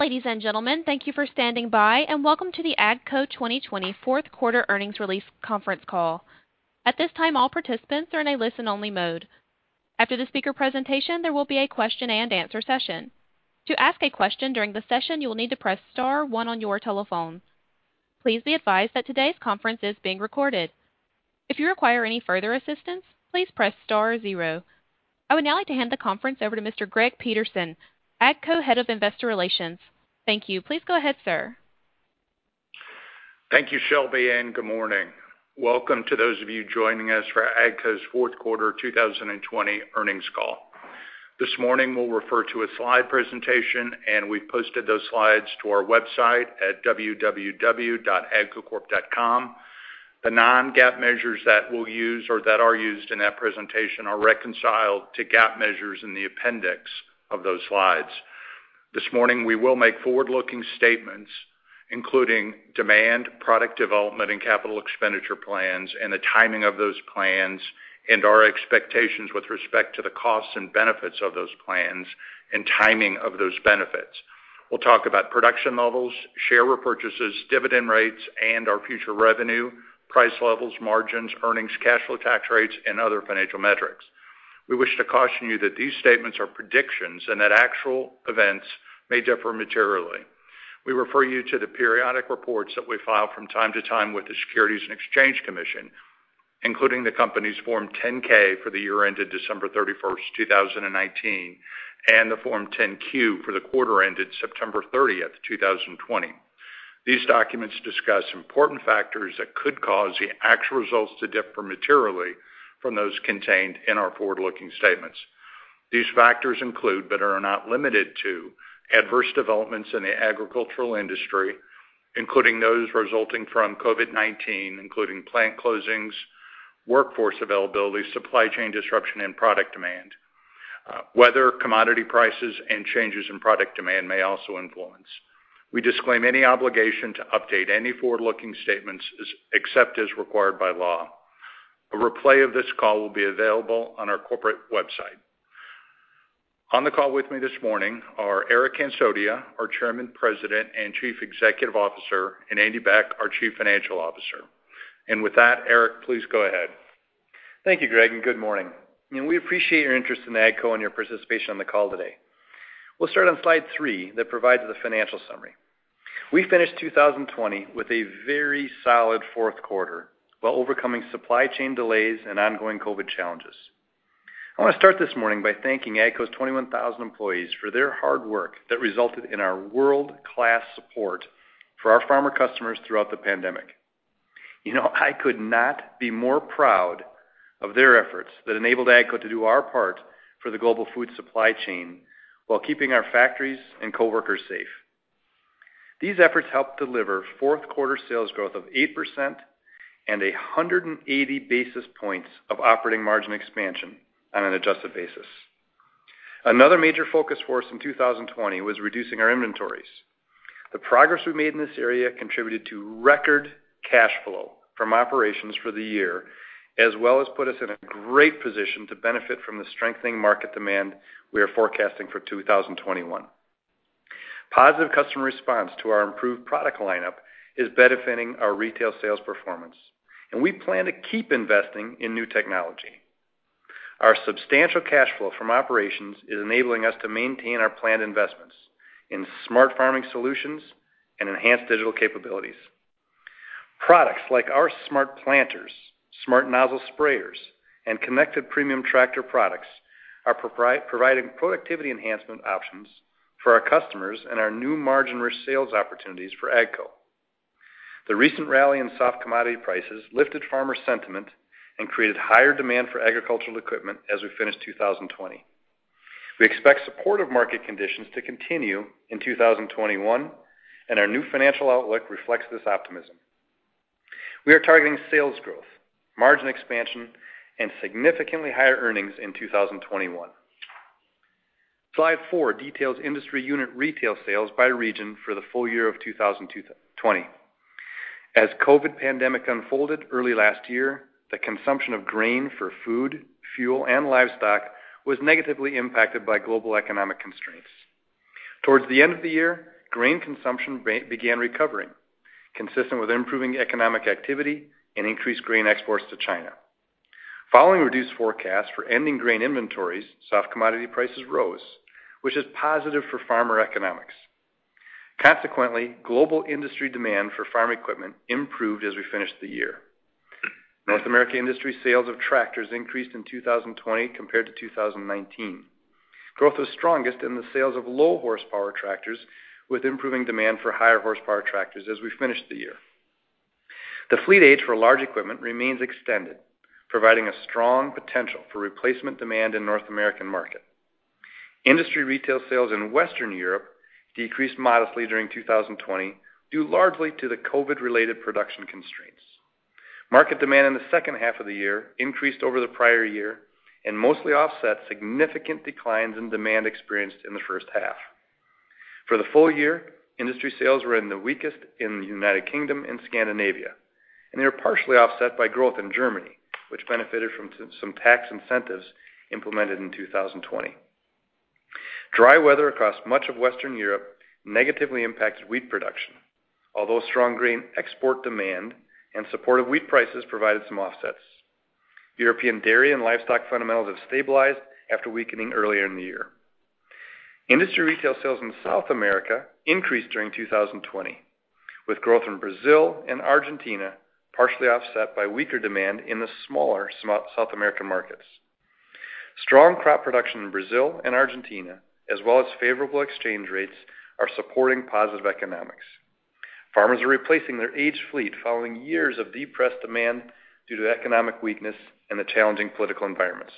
Ladies and gentlemen, thank you for standing by, and welcome to the AGCO 2020 Fourth Quarter Earnings Release Conference Call. At this time, all participants are in a listen-only mode. After the speaker presentation, there will be a question-and-answer session. To ask a question during the session, you will need to press star one on your telephone. Please be advised that today's conference is being recorded. If you require any further assistance, please press star zero. I would now like to hand the conference over to Mr. Greg Peterson, AGCO Head of Investor Relations. Thank you. Please go ahead, sir. Thank you, Shelby, and good morning. Welcome to those of you joining us for AGCO's Fourth Quarter 2020 Earnings Call. This morning, we'll refer to a slide presentation, and we've posted those slides to our website at www.agcocorp.com. The non-GAAP measures that we'll use or that are used in that presentation are reconciled to GAAP measures in the appendix of those slides. This morning, we will make forward-looking statements, including demand, product development, and capital expenditure plans and the timing of those plans, and our expectations with respect to the costs and benefits of those plans and timing of those benefits. We'll talk about production levels, share repurchases, dividend rates, and our future revenue, price levels, margins, earnings, cash flow, tax rates, and other financial metrics. We wish to caution you that these statements are predictions and that actual events may differ materially. We refer you to the periodic reports that we file from time to time with the Securities and Exchange Commission, including the company's Form 10-K for the year ended December 31, 2019, and the Form 10-Q for the quarter ended September 30, 2020. These documents discuss important factors that could cause the actual results to differ materially from those contained in our forward-looking statements. These factors include, but are not limited to adverse developments in the agricultural industry, including those resulting from COVID-19, including plant closings, workforce availability, supply chain disruption, and product demand. Weather, commodity prices, and changes in product demand may also influence. We disclaim any obligation to update any forward-looking statements except as required by law. A replay of this call will be available on our corporate website. On the call with me this morning are Eric Hansotia, our Chairman, President, and Chief Executive Officer, and Andy Beck, our Chief Financial Officer. With that, Eric, please go ahead. Thank you, Greg. Good morning. We appreciate your interest in AGCO and your participation on the call today. We'll start on slide three that provides the financial summary. We finished 2020 with a very solid fourth quarter while overcoming supply chain delays and ongoing COVID challenges. I want to start this morning by thanking AGCO's 21,000 employees for their hard work that resulted in our world-class support for our farmer customers throughout the pandemic. I could not be more proud of their efforts that enabled AGCO to do our part for the global food supply chain while keeping our factories and coworkers safe. These efforts helped deliver fourth quarter sales growth of 8% and 180 basis points of operating margin expansion on an adjusted basis. Another major focus for us in 2020 was reducing our inventories. The progress we made in this area contributed to record cash flow from operations for the year, as well as put us in a great position to benefit from the strengthening market demand we are forecasting for 2021. Positive customer response to our improved product lineup is benefiting our retail sales performance, and we plan to keep investing in new technology. Our substantial cash flow from operations is enabling us to maintain our planned investments in smart farming solutions and enhanced digital capabilities. Products like our smart planters, smart nozzle sprayers, and connected premium tractor products are providing productivity enhancement options for our customers and are new margin or sales opportunities for AGCO. The recent rally in soft commodity prices lifted farmer sentiment and created higher demand for agricultural equipment as we finished 2020. We expect supportive market conditions to continue in 2021. Our new financial outlook reflects this optimism. We are targeting sales growth, margin expansion, and significantly higher earnings in 2021. Slide 4 details industry unit retail sales by region for the full year of 2020. As COVID pandemic unfolded early last year, the consumption of grain for food, fuel, and livestock was negatively impacted by global economic constraints. Towards the end of the year, grain consumption began recovering, consistent with improving economic activity and increased grain exports to China. Following reduced forecasts for ending grain inventories, soft commodity prices rose, which is positive for farmer economics. Global industry demand for farm equipment improved as we finished the year. North American industry sales of tractors increased in 2020 compared to 2019. Growth was strongest in the sales of low-horsepower tractors, with improving demand for higher-horsepower tractors as we finished the year. The fleet age for large equipment remains extended, providing a strong potential for replacement demand in North American market. Industry retail sales in Western Europe decreased modestly during 2020, due largely to the COVID-related production constraints. Market demand in the second half of the year increased over the prior year and mostly offset significant declines in demand experienced in the first half. For the full year, industry sales were in the weakest in the United Kingdom and Scandinavia. They were partially offset by growth in Germany, which benefited from some tax incentives implemented in 2020. Dry weather across much of Western Europe negatively impacted wheat production, although strong grain export demand and supportive wheat prices provided some offsets. European dairy and livestock fundamentals have stabilized after weakening earlier in the year. Industry retail sales in South America increased during 2020, with growth in Brazil and Argentina partially offset by weaker demand in the smaller South American markets. Strong crop production in Brazil and Argentina, as well as favorable exchange rates, are supporting positive economics. Farmers are replacing their aged fleet following years of depressed demand due to economic weakness and the challenging political environments.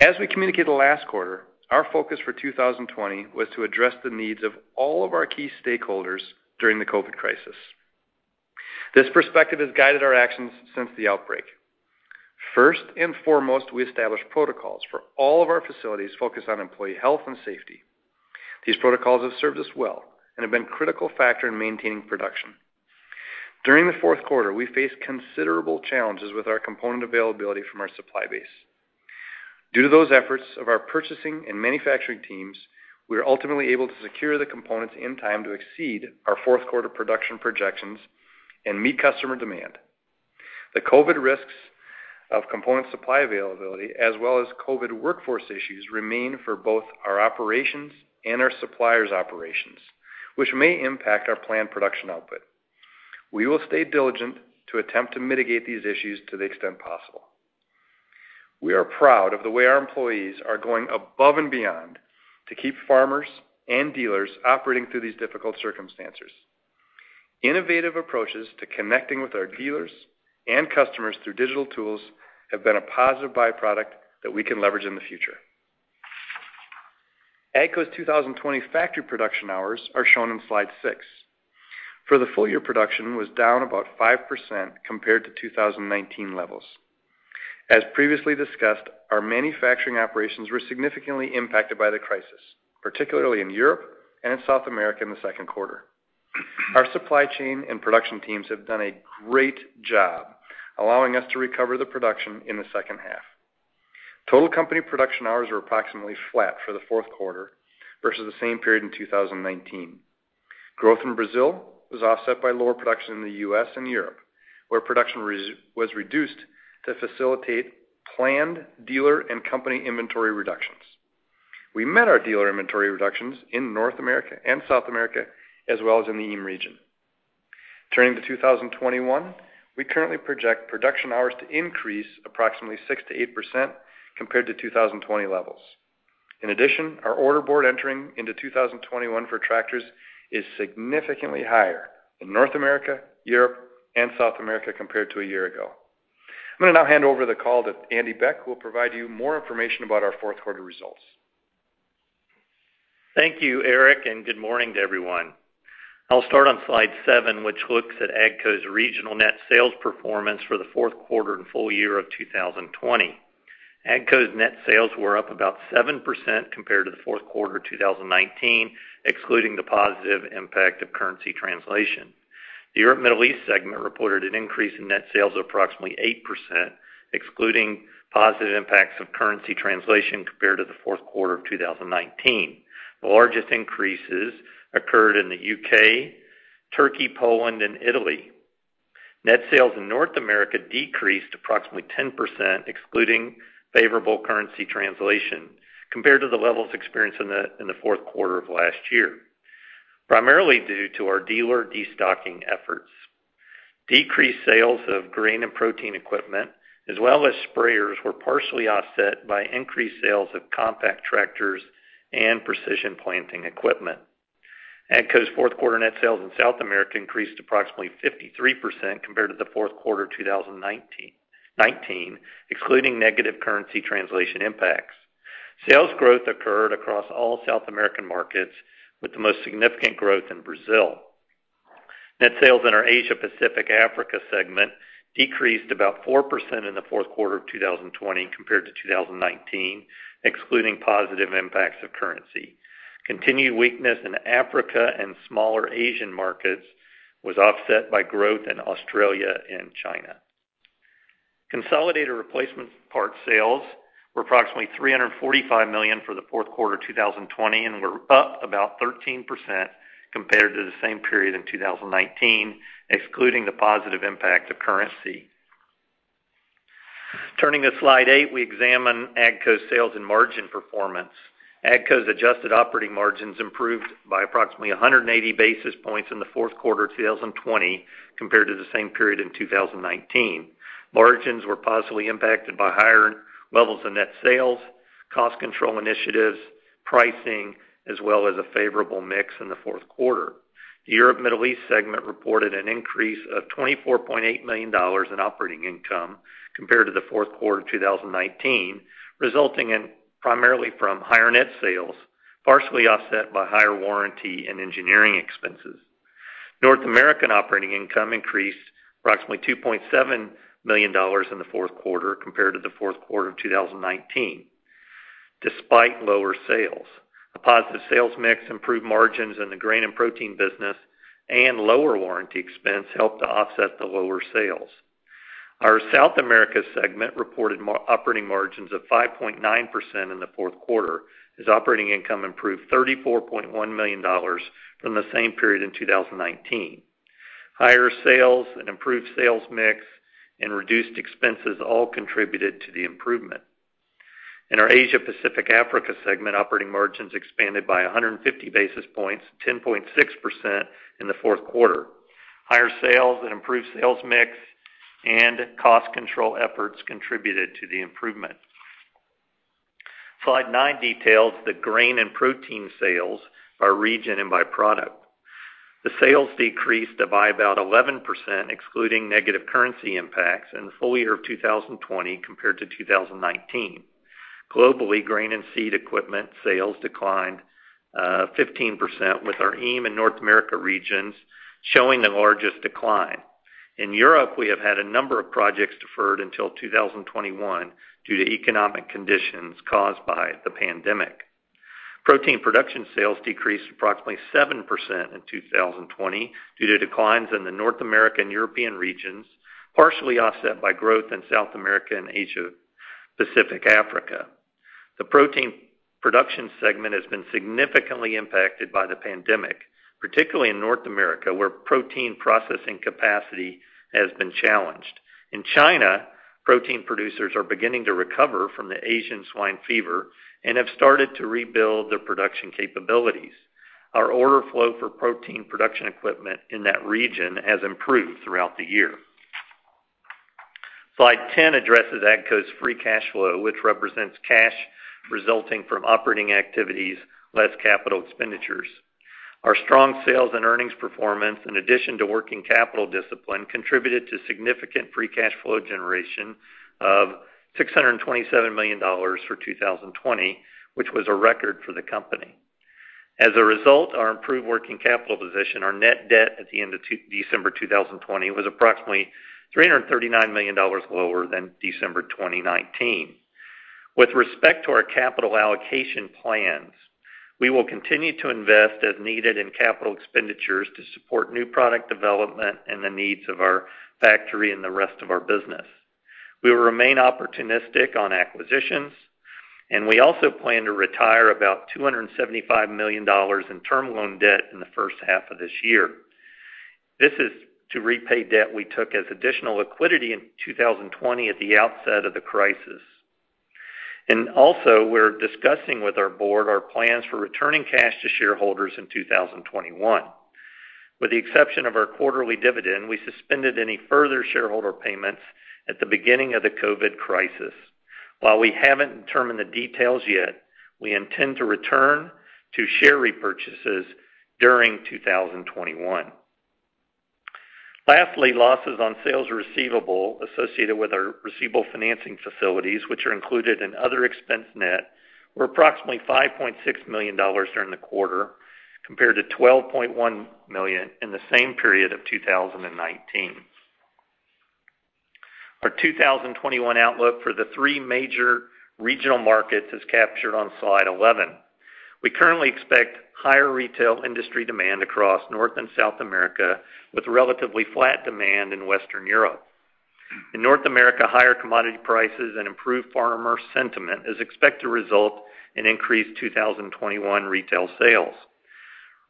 As we communicated last quarter, our focus for 2020 was to address the needs of all of our key stakeholders during the COVID crisis. This perspective has guided our actions since the outbreak. First and foremost, we established protocols for all of our facilities focused on employee health and safety. These protocols have served us well and have been a critical factor in maintaining production. During the fourth quarter, we faced considerable challenges with our component availability from our supply base. Due to those efforts of our purchasing and manufacturing teams, we were ultimately able to secure the components in time to exceed our fourth quarter production projections and meet customer demand. The COVID risks of component supply availability as well as COVID workforce issues remain for both our operations and our suppliers' operations, which may impact our planned production output. We will stay diligent to attempt to mitigate these issues to the extent possible. We are proud of the way our employees are going above and beyond to keep farmers and dealers operating through these difficult circumstances. Innovative approaches to connecting with our dealers and customers through digital tools have been a positive byproduct that we can leverage in the future. AGCO's 2020 factory production hours are shown in slide six. For the full-year production was down about 5% compared to 2019 levels. As previously discussed, our manufacturing operations were significantly impacted by the crisis, particularly in Europe and South America in the second quarter. Our supply chain and production teams have done a great job allowing us to recover the production in the second half. Total company production hours were approximately flat for the fourth quarter versus the same period in 2019. Growth in Brazil was offset by lower production in the U.S. and Europe, where production was reduced to facilitate planned dealer and company inventory reductions. We met our dealer inventory reductions in North America and South America, as well as in the EME region. Turning to 2021, we currently project production hours to increase approximately 6%-8% compared to 2020 levels. Our order board entering into 2021 for tractors is significantly higher in North America, Europe, and South America compared to a year ago. I'm going to now hand over the call to Andy Beck, who will provide you more information about our fourth quarter results. Thank you, Eric. Good morning to everyone. I'll start on slide seven, which looks at AGCO's regional net sales performance for the fourth quarter and full year of 2020. AGCO's net sales were up about 7% compared to the fourth quarter 2019, excluding the positive impact of currency translation. The Europe/Middle East segment reported an increase in net sales of approximately 8%, excluding positive impacts of currency translation compared to the fourth quarter of 2019. The largest increases occurred in the U.K., Turkey, Poland, and Italy. Net sales in North America decreased approximately 10%, excluding favorable currency translation, compared to the levels experienced in the fourth quarter of last year, primarily due to our dealer destocking efforts. Decreased sales of grain and protein equipment, as well as sprayers, were partially offset by increased sales of compact tractors and Precision Planting equipment. AGCO's fourth quarter net sales in South America increased approximately 53% compared to the fourth quarter 2019, excluding negative currency translation impacts. Sales growth occurred across all South American markets, with the most significant growth in Brazil. Net sales in our Asia Pacific/Africa segment decreased about 4% in the fourth quarter of 2020 compared to 2019, excluding positive impacts of currency. Continued weakness in Africa and smaller Asian markets was offset by growth in Australia and China. Consolidated replacement parts sales were approximately $345 million for the fourth quarter 2020 and were up about 13% compared to the same period in 2019, excluding the positive impact of currency. Turning to slide eight, we examine AGCO's sales and margin performance. AGCO's adjusted operating margins improved by approximately 180 basis points in the fourth quarter 2020 compared to the same period in 2019. Margins were positively impacted by higher levels of net sales, cost control initiatives, pricing, as well as a favorable mix in the fourth quarter. The Europe/Middle East segment reported an increase of $24.8 million in operating income compared to the fourth quarter 2019, resulting primarily from higher net sales, partially offset by higher warranty and engineering expenses. North American operating income increased approximately $2.7 million in the fourth quarter compared to the fourth quarter of 2019. Despite lower sales, a positive sales mix, improved margins in the grain and protein business, and lower warranty expense helped to offset the lower sales. Our South America segment reported operating margins of 5.9% in the fourth quarter, as operating income improved $34.1 million from the same period in 2019. Higher sales and improved sales mix and reduced expenses all contributed to the improvement. In our Asia Pacific Africa segment, operating margins expanded by 150 basis points, 10.6% in the fourth quarter. Higher sales and improved sales mix and cost control efforts contributed to the improvement. Slide nine details the grain and protein sales by region and by product. The sales decreased by about 11%, excluding negative currency impacts in the full year of 2020 compared to 2019. Globally, grain and seed equipment sales declined 15% with our EME and North America regions showing the largest decline. In Europe, we have had a number of projects deferred until 2021 due to economic conditions caused by the pandemic. Protein production sales decreased approximately 7% in 2020 due to declines in the North American European regions, partially offset by growth in South America and Asia Pacific Africa. The protein production segment has been significantly impacted by the pandemic, particularly in North America, where protein processing capacity has been challenged. In China, protein producers are beginning to recover from the African swine fever and have started to rebuild their production capabilities. Our order flow for protein production equipment in that region has improved throughout the year. Slide 10 addresses AGCO's free cash flow, which represents cash resulting from operating activities less capital expenditures. Our strong sales and earnings performance, in addition to working capital discipline, contributed to significant free cash flow generation of $627 million for 2020, which was a record for the company. As a result, our improved working capital position, our net debt at the end of December 2020 was approximately $339 million lower than December 2019. With respect to our capital allocation plans, we will continue to invest as needed in capital expenditures to support new product development and the needs of our factory and the rest of our business. We will remain opportunistic on acquisitions, and we also plan to retire about $275 million in term loan debt in the first half of this year. This is to repay debt we took as additional liquidity in 2020 at the outset of the COVID crisis. Also, we're discussing with our Board our plans for returning cash to shareholders in 2021. With the exception of our quarterly dividend, we suspended any further shareholder payments at the beginning of the COVID crisis. While we haven't determined the details yet, we intend to return to share repurchases during 2021. Lastly, losses on sales receivable associated with our receivable financing facilities, which are included in other expense net, were approximately $5.6 million during the quarter, compared to $12.1 million in the same period of 2019. Our 2021 outlook for the three major regional markets is captured on Slide 11. We currently expect higher retail industry demand across North and South America, with relatively flat demand in Western Europe. In North America, higher commodity prices and improved farmer sentiment is expected to result in increased 2021 retail sales.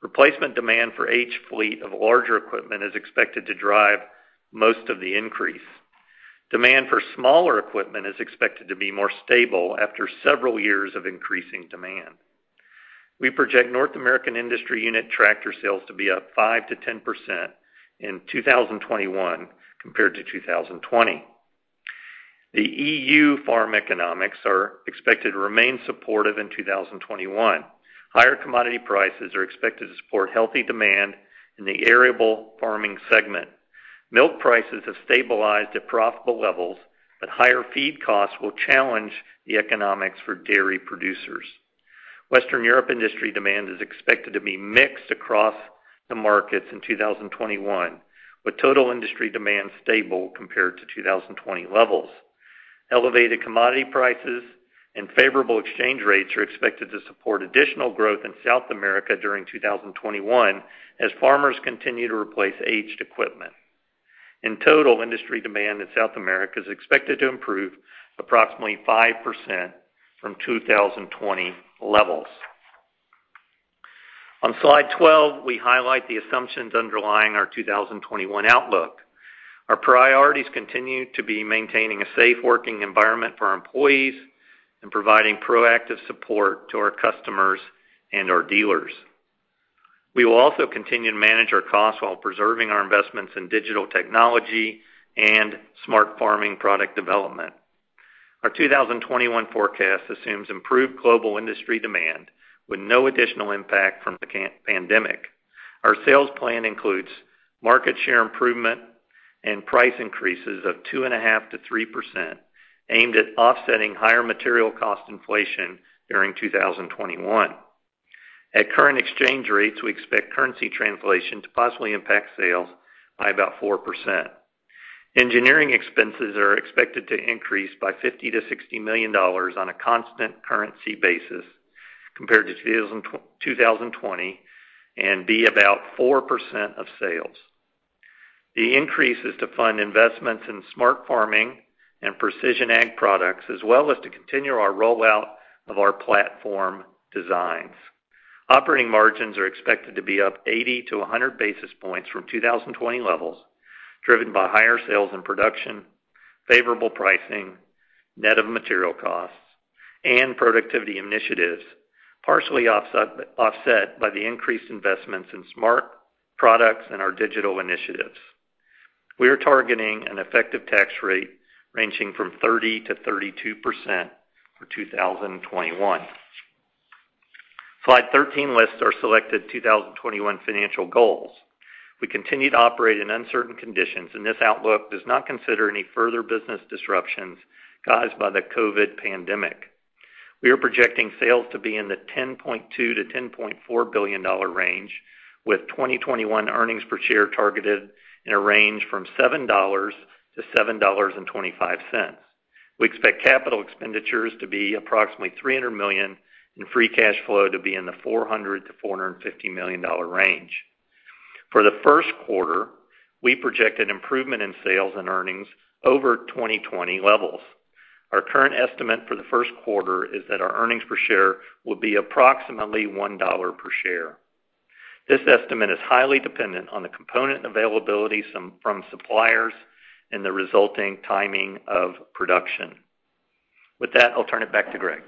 Replacement demand for aged fleet of larger equipment is expected to drive most of the increase. Demand for smaller equipment is expected to be more stable after several years of increasing demand. We project North American industry unit tractor sales to be up 5%-10% in 2021 compared to 2020. The EU farm economics are expected to remain supportive in 2021. Higher commodity prices are expected to support healthy demand in the arable farming segment. Milk prices have stabilized at profitable levels, but higher feed costs will challenge the economics for dairy producers. Western Europe industry demand is expected to be mixed across the markets in 2021, with total industry demand stable compared to 2020 levels. Elevated commodity prices and favorable exchange rates are expected to support additional growth in South America during 2021 as farmers continue to replace aged equipment. In total, industry demand in South America is expected to improve approximately 5% from 2020 levels. On Slide 12, we highlight the assumptions underlying our 2021 outlook. Our priorities continue to be maintaining a safe working environment for our employees and providing proactive support to our customers and our dealers. We will also continue to manage our costs while preserving our investments in digital technology and smart farming product development. Our 2021 forecast assumes improved global industry demand with no additional impact from the pandemic. Our sales plan includes market share improvement and price increases of 2.5%-3% aimed at offsetting higher material cost inflation during 2021. At current exchange rates, we expect currency translation to possibly impact sales by about 4%. Engineering expenses are expected to increase by $50 million-$60 million on a constant currency basis compared to 2020 and be about 4% of sales. The increase is to fund investments in smart farming and precision ag products, as well as to continue our rollout of our platform designs. Operating margins are expected to be up 80-100 basis points from 2020 levels, driven by higher sales and production, favorable pricing, net of material costs, and productivity initiatives, partially offset by the increased investments in smart products and our digital initiatives. We are targeting an effective tax rate ranging from 30%-32% for 2021. Slide 13 lists our selected 2021 financial goals. We continue to operate in uncertain conditions, and this outlook does not consider any further business disruptions caused by the COVID pandemic. We are projecting sales to be in the $10.2 billion-$10.4 billion range, with 2021 earnings per share targeted in a range from $7-$7.25. We expect capital expenditures to be approximately $300 million, and free cash flow to be in the $400 million-$450 million range. For the first quarter, we project an improvement in sales and earnings over 2020 levels. Our current estimate for the first quarter is that our earnings per share will be approximately $1 per share. This estimate is highly dependent on the component availability from suppliers and the resulting timing of production. With that, I'll turn it back to Greg.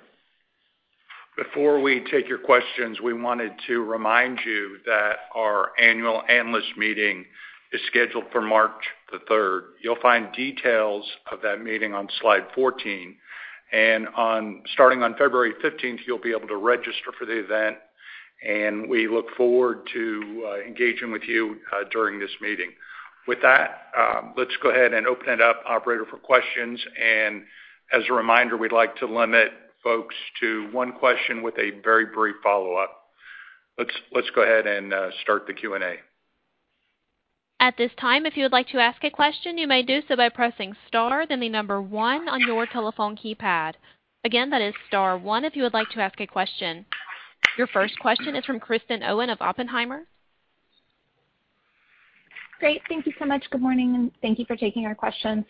Before we take your questions, we wanted to remind you that our annual analyst meeting is scheduled for March the 3rd. You'll find details of that meeting on slide 14. Starting on February 15th, you'll be able to register for the event. We look forward to engaging with you during this meeting. With that, let's go ahead and open it up, operator, for questions. As a reminder, we'd like to limit folks to one question with a very brief follow-up. Let's go ahead and start the Q&A. Your first question is from Kristen Owen of Oppenheimer. Great. Thank you so much. Good morning, and thank you for taking our questions.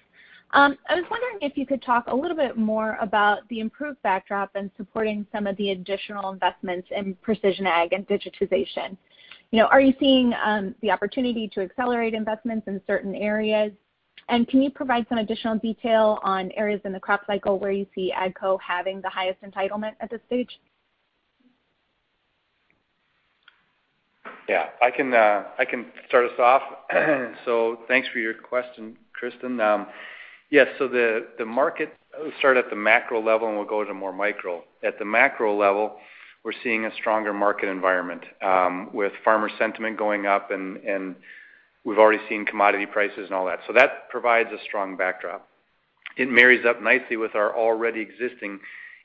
I was wondering if you could talk a little bit more about the improved backdrop in supporting some of the additional investments in precision ag and digitization. Are you seeing the opportunity to accelerate investments in certain areas? Can you provide some additional detail on areas in the crop cycle where you see AGCO having the highest entitlement at this stage? I can start us off. Thanks for your question, Kristen. I'll start at the macro level, and we'll go to more micro. At the macro level, we're seeing a stronger market environment with farmer sentiment going up, and we've already seen commodity prices and all that. That provides a strong backdrop. It marries up nicely with our already existing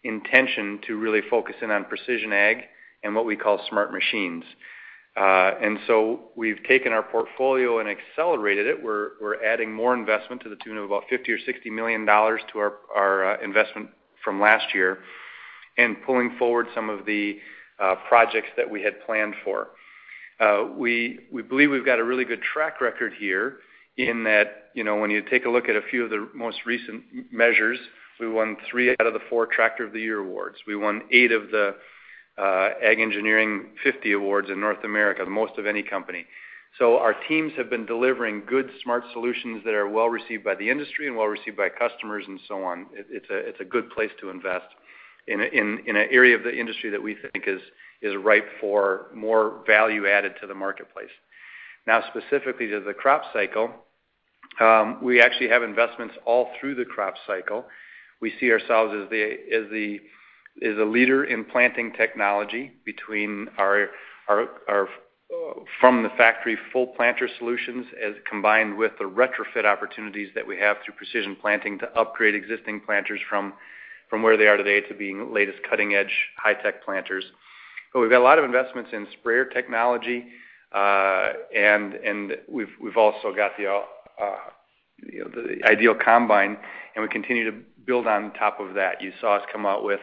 intention to really focus in on precision ag and what we call smart machines. We've taken our portfolio and accelerated it. We're adding more investment to the tune of about $50 million or $60 million to our investment from last year and pulling forward some of the projects that we had planned for. We believe we've got a really good track record here in that when you take a look at a few of the most recent measures, we won three out of the four Tractor of the Year awards. We won eight of the Ag Engineering 50 awards in North America, the most of any company. Our teams have been delivering good smart solutions that are well-received by the industry and well-received by customers and so on. It's a good place to invest in an area of the industry that we think is ripe for more value added to the marketplace. Specifically to the crop cycle, we actually have investments all through the crop cycle. We see ourselves as a leader in planting technology between our from the factory full planter solutions, as combined with the retrofit opportunities that we have through Precision Planting to upgrade existing planters from where they are today to being latest cutting-edge, high-tech planters. We've got a lot of investments in sprayer technology, and we've also got the IDEAL combine, and we continue to build on top of that. You saw us come out with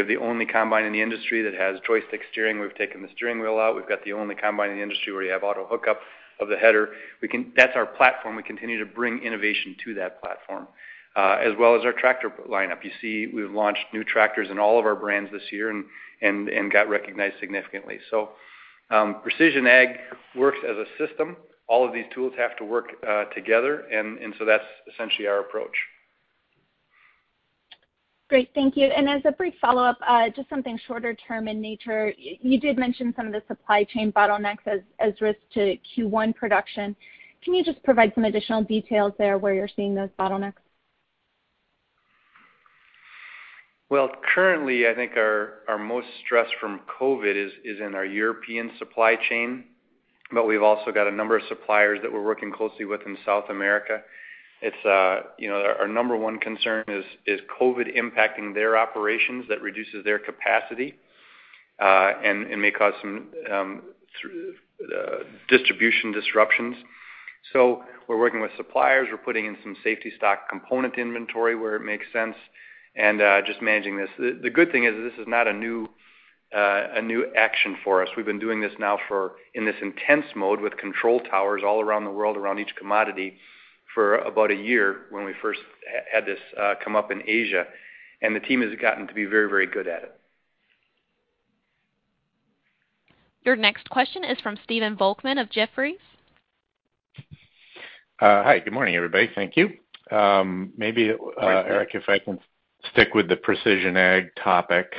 the only combine in the industry that has joystick steering. We've taken the steering wheel out. We've got the only combine in the industry where you have auto hookup of the header. That's our platform. We continue to bring innovation to that platform, as well as our tractor lineup. You see we've launched new tractors in all of our brands this year and got recognized significantly. Precision ag works as a system. All of these tools have to work together, and so that's essentially our approach. Great. Thank you. As a brief follow-up, just something shorter term in nature. You did mention some of the supply chain bottlenecks as risks to Q1 production. Can you just provide some additional details there where you're seeing those bottlenecks? Well, currently, I think our most stress from COVID is in our European supply chain. We've also got a number of suppliers that we're working closely with in South America. Our number one concern is COVID impacting their operations that reduces their capacity, and may cause some distribution disruptions. We're working with suppliers. We're putting in some safety stock component inventory where it makes sense, and just managing this. The good thing is this is not a new action for us. We've been doing this now in this intense mode with control towers all around the world, around each commodity, for about a year when we first had this come up in Asia. The team has gotten to be very, very good at it. Your next question is from Stephen Volkmann of Jefferies. Hi, good morning, everybody. Thank you. Hi, Steve. Eric, if I can stick with the precision ag topic.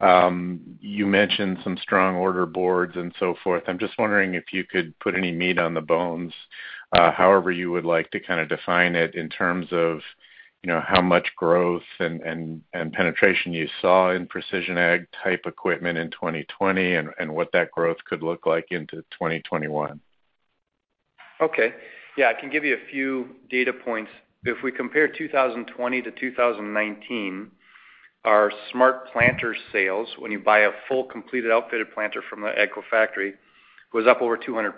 You mentioned some strong order boards and so forth. I am just wondering if you could put any meat on the bones, however you would like to define it in terms of how much growth and penetration you saw in precision ag type equipment in 2020, and what that growth could look like into 2021? Okay. Yeah, I can give you a few data points. If we compare 2020 to 2019, our smart planter sales, when you buy a full completed outfitted planter from an AGCO factory, was up over 200%.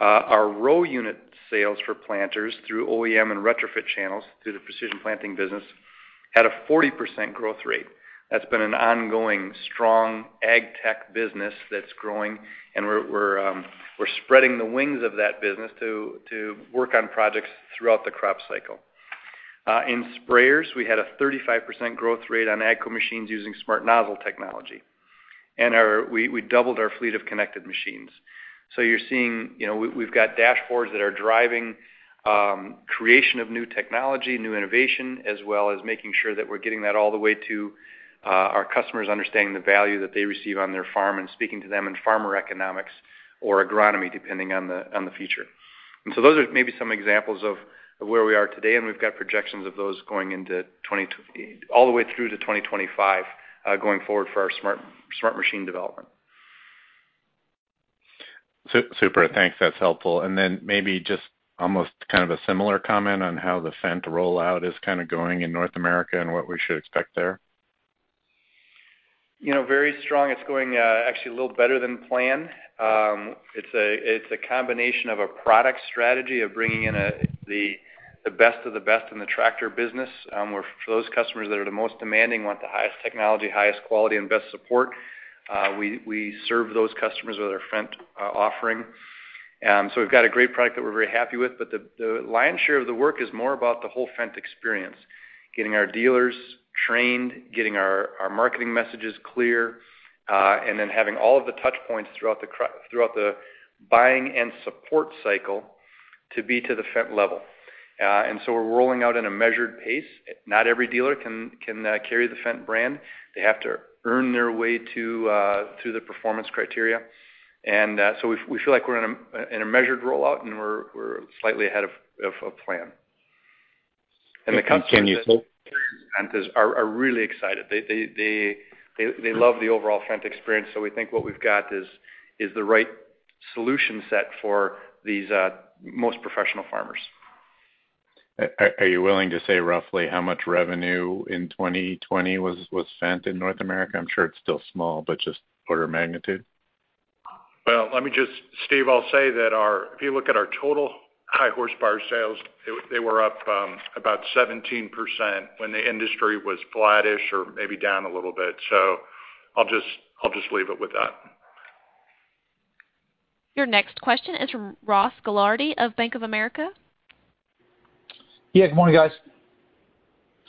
Our row unit sales for planters through OEM and retrofit channels through the Precision Planting business had a 40% growth rate. That's been an ongoing strong ag tech business that's growing. We're spreading the wings of that business to work on projects throughout the crop cycle. In sprayers, we had a 35% growth rate on AGCO machines using smart nozzle technology. We doubled our fleet of connected machines. You're seeing we've got dashboards that are driving creation of new technology, new innovation, as well as making sure that we're getting that all the way to our customers understanding the value that they receive on their farm and speaking to them in farmer economics or agronomy, depending on the feature. Those are maybe some examples of where we are today, and we've got projections of those going all the way through to 2025, going forward for our smart machine development. Super. Thanks. That's helpful. Then maybe just almost kind of a similar comment on how the Fendt rollout is kind of going in North America, and what we should expect there. Very strong. It's going actually a little better than planned. It's a combination of a product strategy of bringing in the best of the best in the tractor business. For those customers that are the most demanding, want the highest technology, highest quality, and best support, we serve those customers with our Fendt offering. We've got a great product that we're very happy with. The lion's share of the work is more about the whole Fendt experience. Getting our dealers trained, getting our marketing messages clear, and then having all of the touch points throughout the buying and support cycle to be to the Fendt level. We're rolling out in a measured pace. Not every dealer can carry the Fendt brand. They have to earn their way through the performance criteria. We feel like we're in a measured rollout, and we're slightly ahead of plan. The customers- And can you- are really excited. They love the overall Fendt experience. We think what we've got is the right solution set for these most professional farmers. Are you willing to say roughly how much revenue in 2020 was Fendt in North America? I'm sure it's still small, but just order of magnitude. Well, Steve, I'll say that if you look at our total high horsepower sales, they were up about 17% when the industry was flattish or maybe down a little bit. I'll just leave it with that. Your next question is from Ross Gilardi of Bank of America. Yeah. Good morning, guys.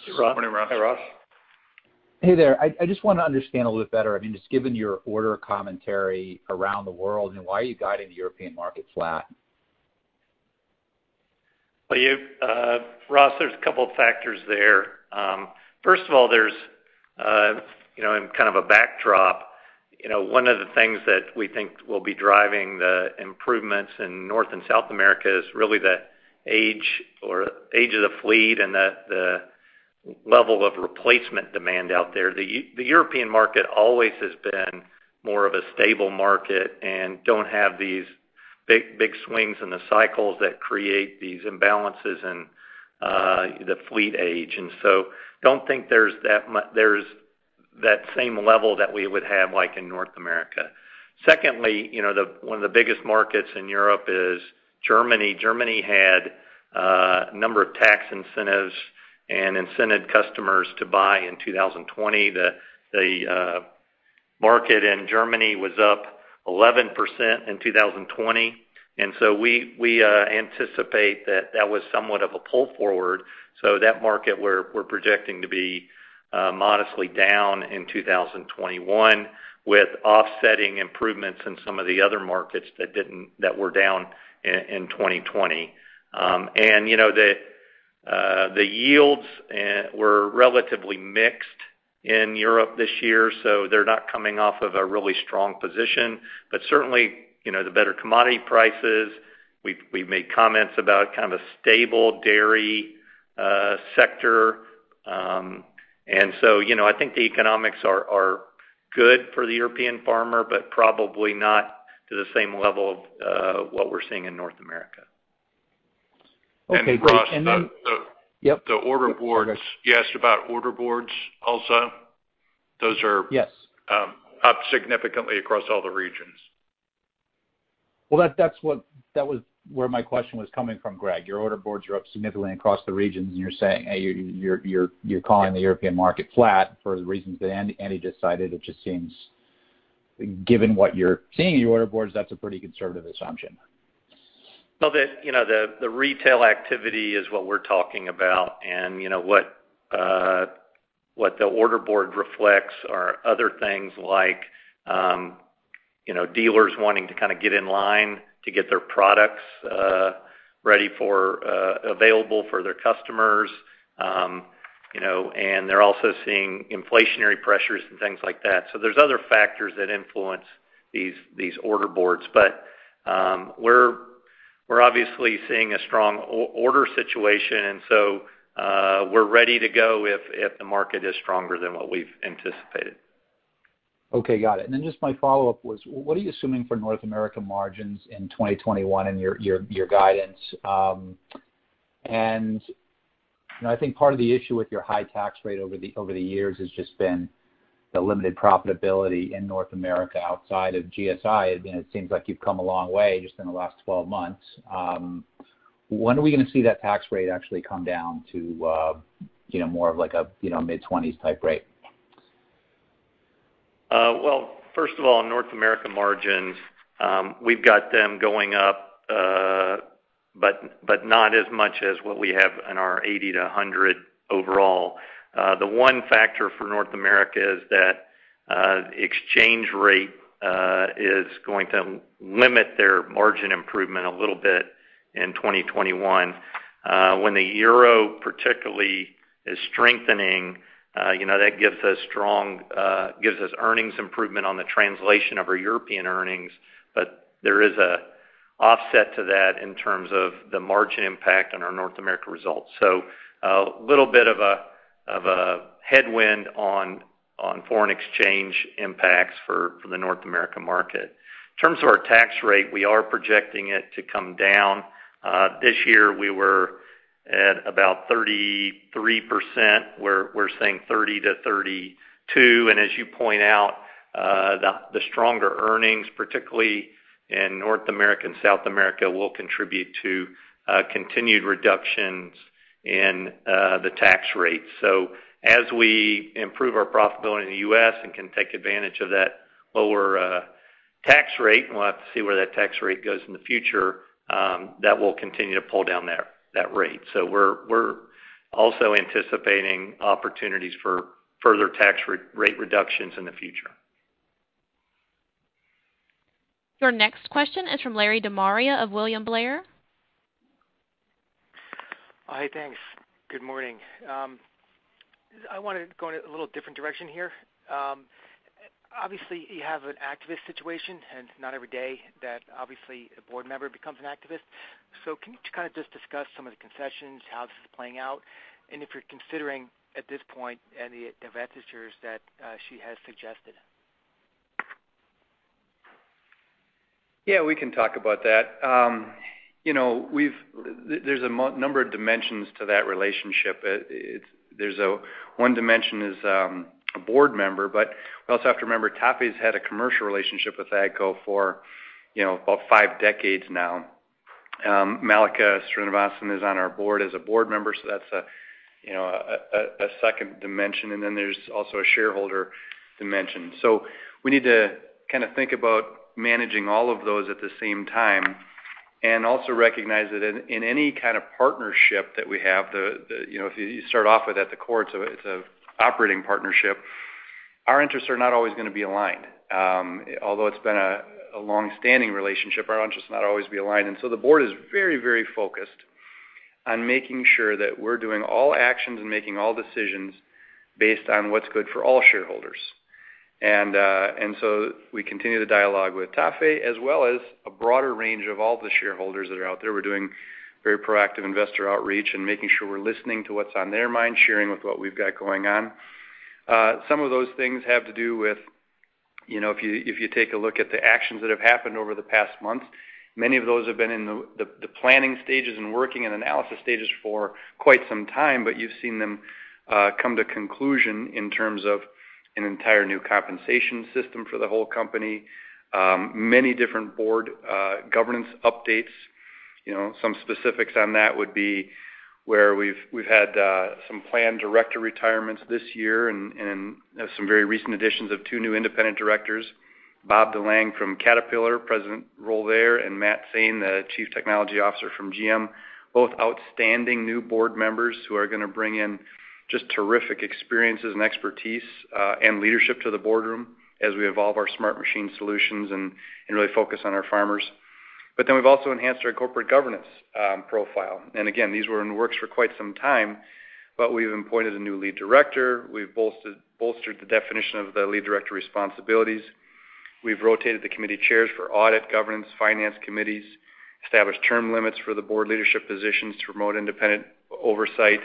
Hey, Ross. Good morning, Ross. Hey, Ross. Hey there. I just want to understand a little bit better, just given your order commentary around the world and why you guided the European market flat? Ross, there's a couple factors there. First of all, in kind of a backdrop, one of the things that we think will be driving the improvements in North and South America is really the age of the fleet and the level of replacement demand out there. The European market always has been more of a stable market and don't have these big swings in the cycles that create these imbalances in the fleet age. Don't think there's that same level that we would have like in North America. Secondly, one of the biggest markets in Europe is Germany. Germany had a number of tax incentives and incented customers to buy in 2020. The market in Germany was up 11% in 2020, and so we anticipate that that was somewhat of a pull forward. That market we're projecting to be modestly down in 2021 with offsetting improvements in some of the other markets that were down in 2020. The yields were relatively mixed in Europe this year, so they're not coming off of a really strong position. Certainly, the better commodity prices, we've made comments about kind of a stable dairy sector. I think the economics are good for the European farmer, but probably not to the same level of what we're seeing in North America. Ross, the order boards. You asked about order boards also up significantly across all the regions. Well, that was where my question was coming from, Greg. Your order boards are up significantly across the regions, and you're saying, hey, you're calling the European market flat for the reasons that Andy just cited. It just seems, given what you're seeing in your order boards, that's a pretty conservative assumption. The retail activity is what we're talking about. What the order board reflects are other things like dealers wanting to kind of get in line to get their products available for their customers. They're also seeing inflationary pressures and things like that. There's other factors that influence these order boards. We're obviously seeing a strong order situation. We're ready to go if the market is stronger than what we've anticipated. Okay. Got it. Just my follow-up was, what are you assuming for North America margins in 2021 in your guidance? I think part of the issue with your high tax rate over the years has just been the limited profitability in North America outside of GSI, and it seems like you've come a long way just in the last 12 months. When are we going to see that tax rate actually come down to more of like a mid-20% type rate? First of all, North America margins, we've got them going up but not as much as what we have in our 80 to 100 overall. The one factor for North America is that exchange rate is going to limit their margin improvement a little bit in 2021. When the EUR particularly is strengthening, that gives us earnings improvement on the translation of our European earnings. There is an offset to that in terms of the margin impact on our North America results. A little bit of a headwind on foreign exchange impacts for the North America market. In terms of our tax rate, we are projecting it to come down. This year we were at about 33%. We're saying 30%-32%. As you point out, the stronger earnings, particularly in North America and South America, will contribute to continued reductions in the tax rate. As we improve our profitability in the U.S. and can take advantage of that lower tax rate, and we'll have to see where that tax rate goes in the future, that will continue to pull down that rate. We're also anticipating opportunities for further tax rate reductions in the future. Your next question is from Larry De Maria of William Blair. Hi, thanks. Good morning. I want to go in a little different direction here. Obviously, you have an activist situation, and it's not every day that obviously a Board member becomes an activist. Can you kind of just discuss some of the concessions, how this is playing out, and if you're considering at this point any of the divestitures that she has suggested? Yeah, we can talk about that. There's a number of dimensions to that relationship. One dimension is a Board member, but we also have to remember, TAFE's had a commercial relationship with AGCO for about five decades now. Mallika Srinivasan is on our Board as a Board member, so that's a second dimension. There's also a shareholder dimension. We need to kind of think about managing all of those at the same time, and also recognize that in any kind of partnership that we have, if you start off with at the core it's an operating partnership, our interests are not always going to be aligned. Although it's been a long-standing relationship, our interests will not always be aligned. The Board is very focused on making sure that we're doing all actions and making all decisions based on what's good for all shareholders. We continue the dialogue with TAFE as well as a broader range of all the shareholders that are out there. We're doing very proactive investor outreach and making sure we're listening to what's on their mind, sharing with what we've got going on. Some of those things have to do with, if you take a look at the actions that have happened over the past month, many of those have been in the planning stages and working and analysis stages for quite some time. You've seen them come to conclusion in terms of an entire new compensation system for the whole company. Many different Board governance updates. Some specifics on that would be where we've had some planned director retirements this year and some very recent additions of two new independent directors, Bob De Lange from Caterpillar, President role there, and Matt Tsien, the Chief Technology Officer from GM. Both outstanding new Board members who are going to bring in just terrific experiences and expertise and leadership to the boardroom as we evolve our smart machine solutions and really focus on our farmers. We've also enhanced our corporate governance profile. Again, these were in the works for quite some time. We've appointed a new lead director. We've bolstered the definition of the lead director responsibilities. We've rotated the committee chairs for audit, governance, finance committees, established term limits for the Board leadership positions to promote independent oversight.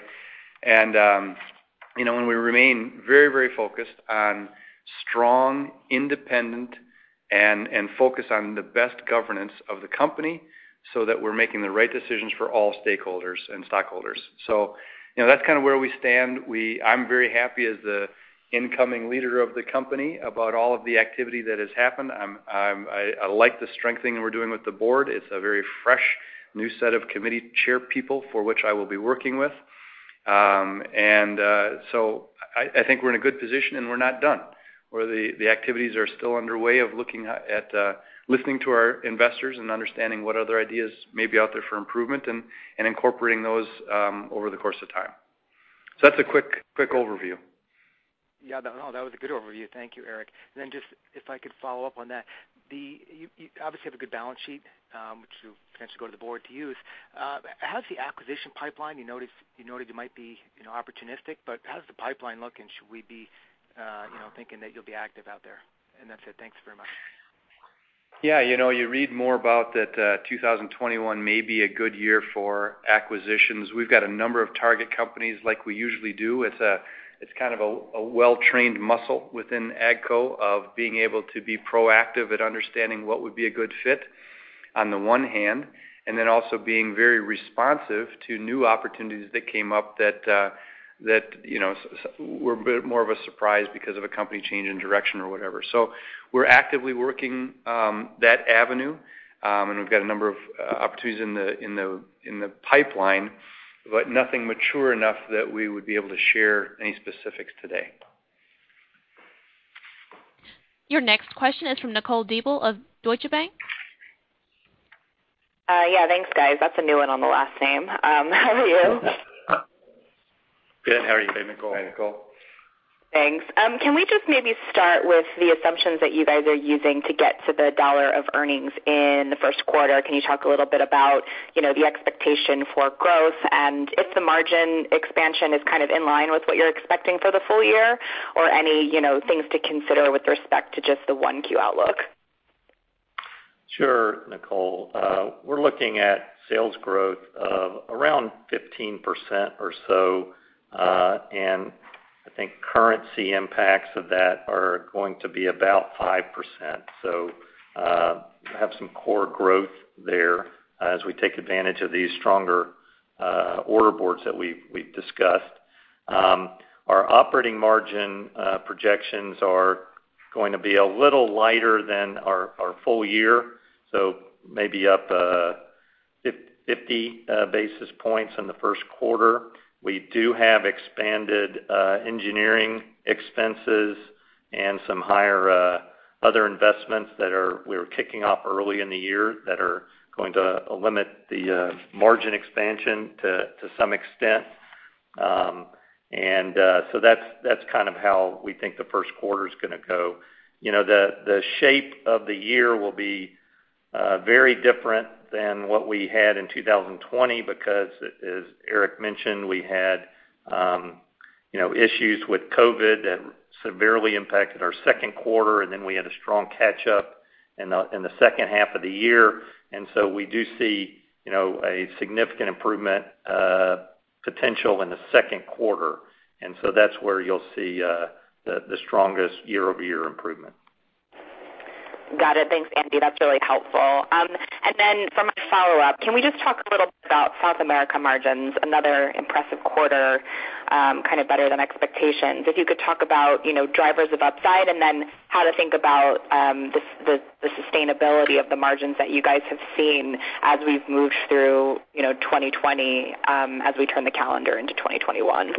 We remain very focused on strong, independent, and focused on the best governance of the company so that we're making the right decisions for all stakeholders and stockholders. That's kind of where we stand. I'm very happy as the incoming leader of the company about all of the activity that has happened. I like the strengthening we're doing with the Board. It's a very fresh, new set of committee chair people for which I will be working with. I think we're in a good position and we're not done. The activities are still underway of looking at listening to our investors and understanding what other ideas may be out there for improvement and incorporating those over the course of time. That's a quick overview. Yeah, that was a good overview. Thank you, Eric. Just if I could follow up on that, you obviously have a good balance sheet, which you potentially go to the Board to use. How's the acquisition pipeline? You noted it might be opportunistic, but how does the pipeline look, and should we be thinking that you'll be active out there? That's it. Thanks very much. Yeah. You read more about that 2021 may be a good year for acquisitions. We've got a number of target companies like we usually do. It's kind of a well-trained muscle within AGCO of being able to be proactive at understanding what would be a good fit on the one hand, and then also being very responsive to new opportunities that came up that were a bit more of a surprise because of a company change in direction or whatever. We're actively working that avenue, and we've got a number of opportunities in the pipeline, but nothing mature enough that we would be able to share any specifics today. Your next question is from Nicole DeBlase of Deutsche Bank. Yeah. Thanks, guys. That's a new one on the last name. How are you? Good. How are you today, Nicole? Hi, Nicole. Thanks. Can we just maybe start with the assumptions that you guys are using to get to the $1 of earnings in the first quarter? Can you talk a little bit about the expectation for growth and if the margin expansion is kind of in line with what you're expecting for the full year, or any things to consider with respect to just the 1Q outlook? Sure, Nicole. We're looking at sales growth of around 15% or so. I think currency impacts of that are going to be about 5%. We have some core growth there as we take advantage of these stronger order boards that we've discussed. Our operating margin projections are going to be a little lighter than our full year. Maybe up 50 basis points in the first quarter. We do have expanded engineering expenses and some higher other investments that we're kicking off early in the year that are going to limit the margin expansion to some extent. That's kind of how we think the first quarter's going to go. The shape of the year will be very different than what we had in 2020 because, as Eric mentioned, we had issues with COVID that severely impacted our second quarter, and then we had a strong catch-up in the second half of the year. We do see a significant improvement potential in the second quarter. That's where you'll see the strongest year-over-year improvement. Got it. Thanks, Andy. That's really helpful. For my follow-up, can we just talk a little bit about South America margins, another impressive quarter, kind of better than expectations? If you could talk about drivers of upside and then how to think about the sustainability of the margins that you guys have seen as we've moved through 2020, as we turn the calendar into 2021.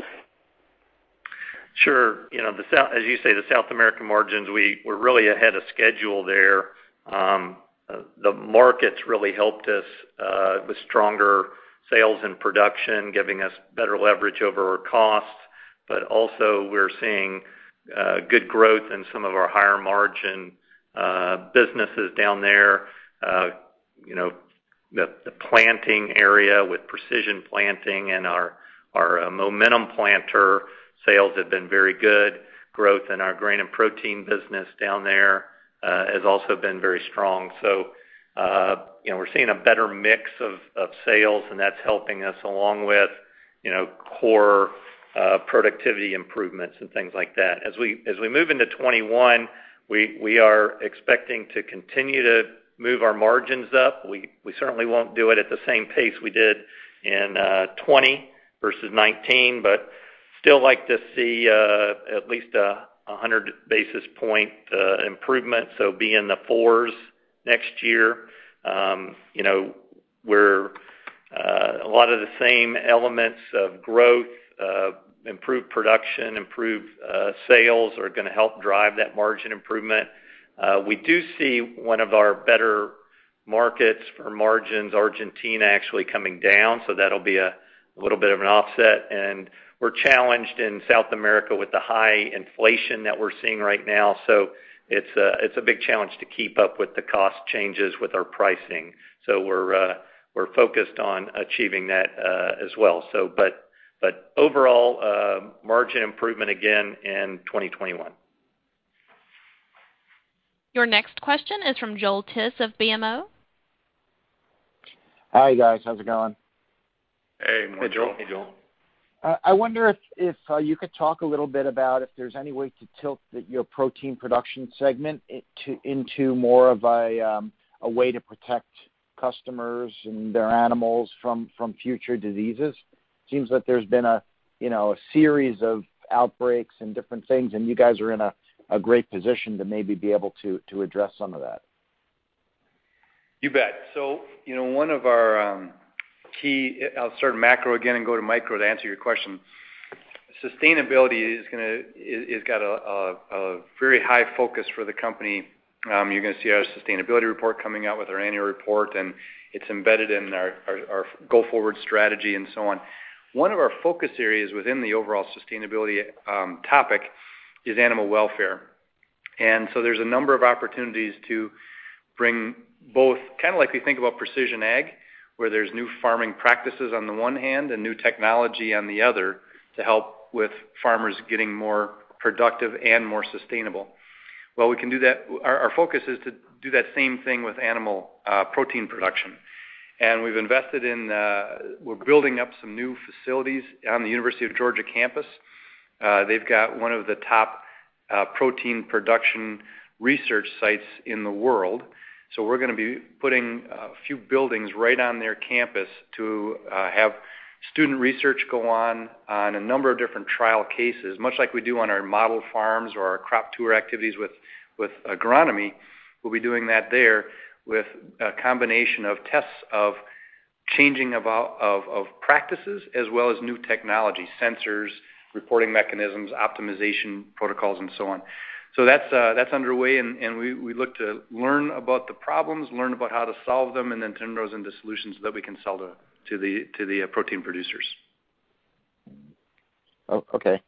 Sure. As you say, the South American margins, we're really ahead of schedule there. The markets really helped us with stronger sales and production, giving us better leverage over our costs. Also we're seeing good growth in some of our higher margin businesses down there. The planting area with Precision Planting and our Momentum planter sales have been very good. Growth in our grain and protein business down there has also been very strong. We're seeing a better mix of sales, and that's helping us along with core productivity improvements and things like that. As we move into 2021, we are expecting to continue to move our margins up. We certainly won't do it at the same pace we did in 2020 versus 2019, but still like to see at least 100 basis point improvement, so be in the fours next year. A lot of the same elements of growth, improved production, improved sales are going to help drive that margin improvement. We do see one of our better markets for margins, Argentina, actually coming down, so that'll be a little bit of an offset. We're challenged in South America with the high inflation that we're seeing right now. It's a big challenge to keep up with the cost changes with our pricing. We're focused on achieving that as well. Overall, margin improvement again in 2021. Your next question is from Joel Tiss of BMO. Hi, guys. How is it going? Hey, Joel. Hey, Joel. I wonder if you could talk a little bit about if there's any way to tilt your protein production segment into more of a way to protect customers and their animals from future diseases. It seems that there's been a series of outbreaks and different things, and you guys are in a great position to maybe be able to address some of that. You bet. I'll start macro again and go to micro to answer your question. Sustainability has got a very high focus for the company. You're going to see our sustainability report coming out with our annual report. It's embedded in our go-forward strategy and so on. One of our focus areas within the overall sustainability topic is animal welfare. There's a number of opportunities to bring both, kind of like we think about precision ag, where there's new farming practices on the one hand and new technology on the other to help with farmers getting more productive and more sustainable. Our focus is to do that same thing with animal protein production. We're building up some new facilities on the University of Georgia campus. They've got one of the top protein production research sites in the world. We're going to be putting a few buildings right on their campus to have student research go on on a number of different trial cases, much like we do on our model farms or our crop tour activities with agronomy. We'll be doing that there with a combination of tests of changing of practices as well as new technology, sensors, reporting mechanisms, optimization protocols, and so on. That's underway, and we look to learn about the problems, learn about how to solve them, and then turn those into solutions that we can sell to the protein producers. Okay.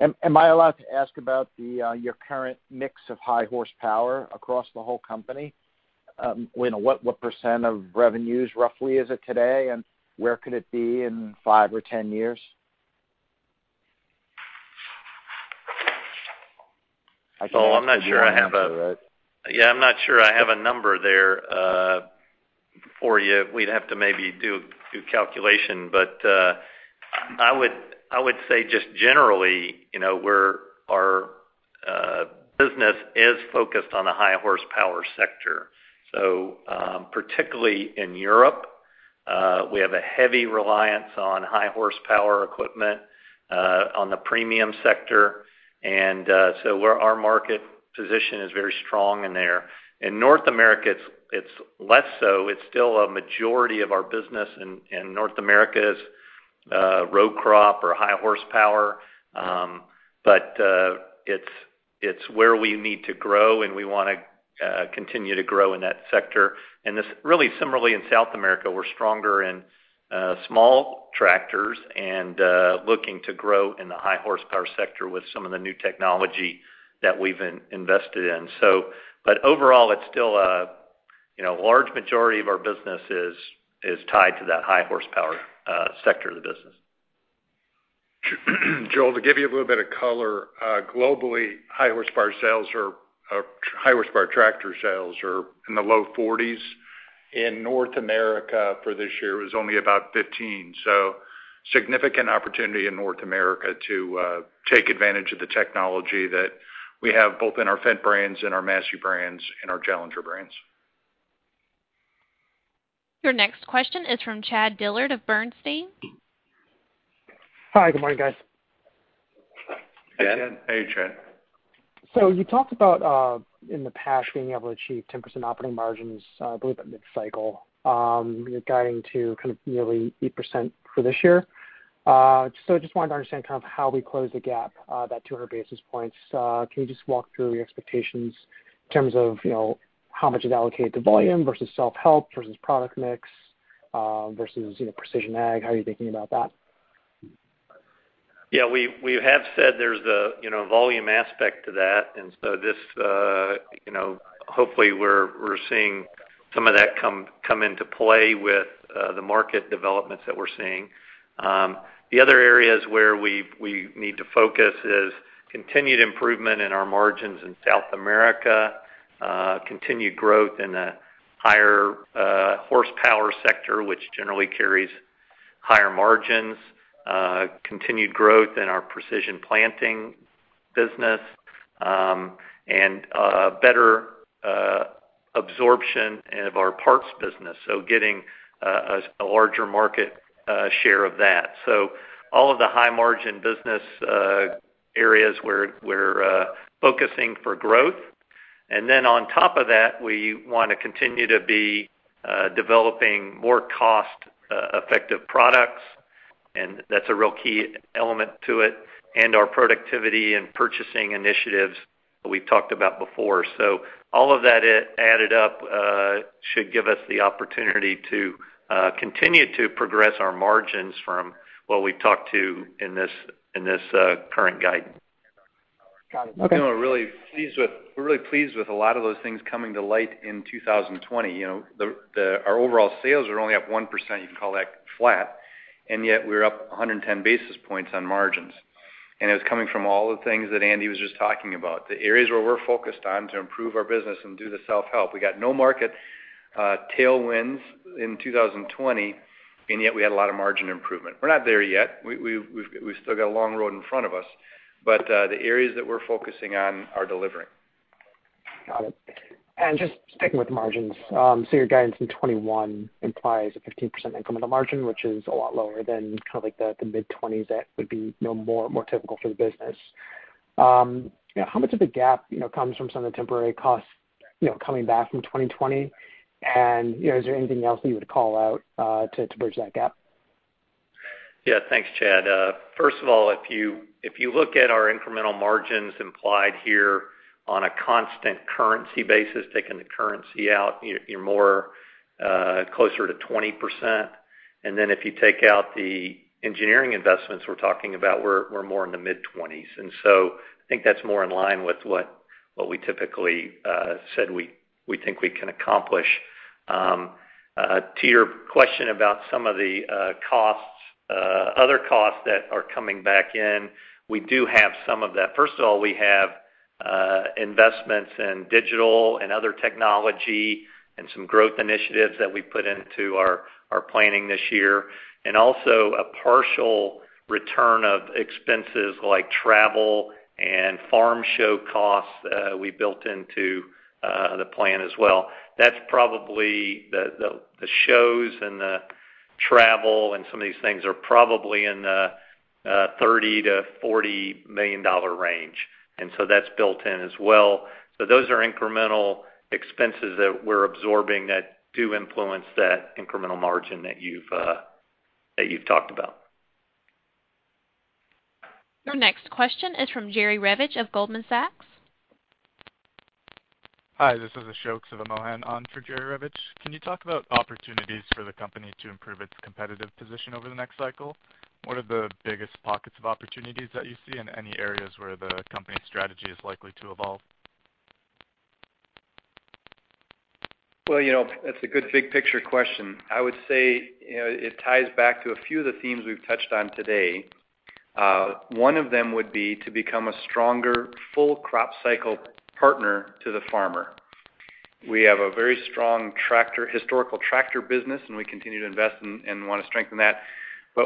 Am I allowed to ask about your current mix of high horsepower across the whole company? What percent of revenues roughly is it today, and where could it be in five or 10 years? I'm not sure I have a number there for you. We'd have to maybe do a calculation. I would say just generally our business is focused on the high-horsepower sector. Particularly in Europe, we have a heavy reliance on high-horsepower equipment on the premium sector. Our market position is very strong in there. In North America, it's less so. It's still a majority of our business in North America is row crop or high horsepower. It's where we need to grow, and we want to continue to grow in that sector. Really similarly in South America, we're stronger in small tractors and looking to grow in the high horsepower sector with some of the new technology that we've invested in. Overall, a large majority of our business is tied to that high-horsepower sector of the business. Joel, to give you a little bit of color, globally, high-horsepower tractor sales are in the low 40%. In North America for this year, it was only about 15%. Significant opportunity in North America to take advantage of the technology that we have both in our Fendt brands and our Massey brands and our Challenger brands. Your next question is from Chad Dillard of Bernstein. Hi. Good morning, guys. Hey, Chad. Hey, Chad. You talked about in the past being able to achieve 10% operating margins, I believe, at mid-cycle. You're guiding to kind of nearly 8% for this year. Just wanted to understand kind of how we close the gap, that 200 basis points. Can you just walk through the expectations in terms of how much is allocated to volume versus self-help versus product mix versus precision ag? How are you thinking about that? Yeah, we have said there's a volume aspect to that. Hopefully we're seeing some of that come into play with the market developments that we're seeing. The other areas where we need to focus is continued improvement in our margins in South America, continued growth in the higher horsepower sector, which generally carries higher margins, continued growth in our Precision Planting business, and better absorption of our parts business. Getting a larger market share of that. All of the high margin business areas we're focusing for growth. On top of that, we want to continue to be developing more cost-effective products, and that's a real key element to it, and our productivity and purchasing initiatives that we've talked about before. All of that added up should give us the opportunity to continue to progress our margins from what we've talked to in this current guidance. Got it. Okay. We're really pleased with a lot of those things coming to light in 2020. Our overall sales are only up 1%, you can call that flat, and yet we're up 110 basis points on margins. It was coming from all the things that Andy was just talking about. The areas where we're focused on to improve our business and do the self-help. We got no market tailwinds in 2020, and yet we had a lot of margin improvement. We're not there yet. We've still got a long road in front of us, but the areas that we're focusing on are delivering. Got it. Just sticking with margins. Your guidance in 2021 implies a 15% incremental margin, which is a lot lower than the mid-20% that would be more typical for the business. How much of the gap comes from some of the temporary costs coming back from 2020? Is there anything else that you would call out to bridge that gap? Thanks, Chad. If you look at our incremental margins implied here on a constant currency basis, taking the currency out, you're more closer to 20%. If you take out the engineering investments we're talking about, we're more in the mid-20%. I think that's more in line with what we typically said we think we can accomplish. To your question about some of the other costs that are coming back in, we do have some of that. We have investments in digital and other technology and some growth initiatives that we put into our planning this year. Also a partial return of expenses like travel and farm show costs we built into the plan as well. The shows and the travel and some of these things are probably in the $30 million-$40 million range. That's built in as well. Those are incremental expenses that we're absorbing that do influence that incremental margin that you've talked about. Your next question is from Jerry Revich of Goldman Sachs. Hi, this is Ashok Sivamohan on for Jerry Revich. Can you talk about opportunities for the company to improve its competitive position over the next cycle? What are the biggest pockets of opportunities that you see and any areas where the company strategy is likely to evolve? Well, that's a good big picture question. I would say it ties back to a few of the themes we've touched on today. One of them would be to become a stronger full crop cycle partner to the farmer. We have a very strong historical tractor business, and we continue to invest in and want to strengthen that.